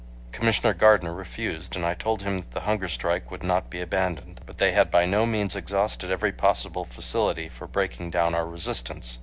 Commissioner Gardner refused, and I told him that the hunger strike would not be abandoned. But they had by no means exhausted every possible facility for breaking down our resistance.